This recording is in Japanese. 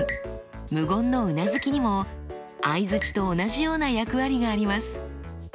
無言のうなずきにも相づちと同じような役割があります。